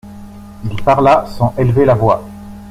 Il parla sans élever la voix.